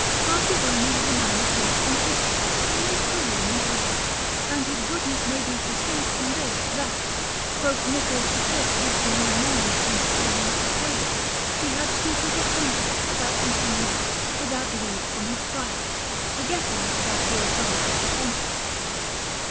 Fra Giovanni was a man of great simplicity, and most holy in his ways; and his goodness may be perceived from this, that, Pope Nicholas V wishing one morning to entertain him at table, he had scruples of conscience about eating meat without leave from his Prior, forgetting about the authority of the Pontiff.